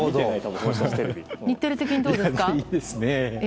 日テレ的にどうですか？